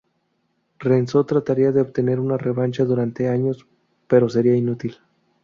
Renzo trataría de obtener una revancha durante años, pero sería inútil.